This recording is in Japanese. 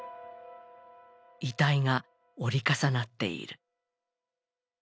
遺体が折り重なっている。